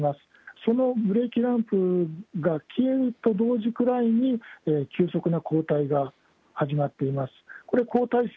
そのブレーキランプが消えると同時くらいに、急速な後退が始まっています。